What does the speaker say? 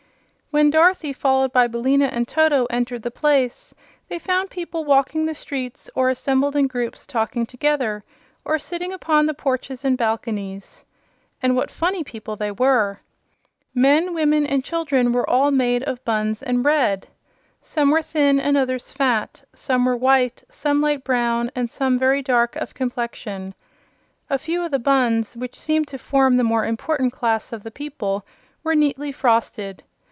When Dorothy, followed by Billina and Toto, entered the place, they found people walking the streets or assembled in groups talking together, or sitting upon the porches and balconies. And what funny people they were! Men, women and children were all made of buns and bread. Some were thin and others fat; some were white, some light brown and some very dark of complexion. A few of the buns, which seemed to form the more important class of the people, were neatly frosted.